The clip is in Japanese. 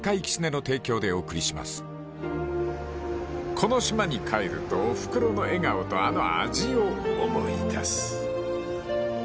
［この島に帰るとおふくろの笑顔とあの味を思い出す］